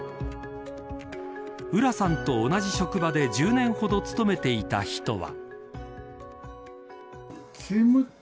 浦さんと同じ職場で１０年ほど勤めていた人は。